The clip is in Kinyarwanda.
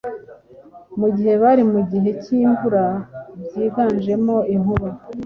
mu gihe bari mu bihe by’imvura byiganjemo inkuba.